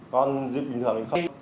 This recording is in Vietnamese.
còn dịp bình thường thì không